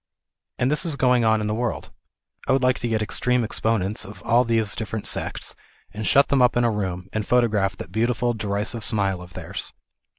And this is going on in the world. I would like to get extreme exponents of all these different sects, and shut them up in a room, and photograph that beautiful derisive smile of theirs.